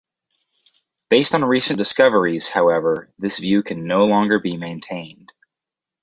Based on recent discoveries, however, this view can no longer be maintained.